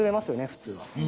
普通は。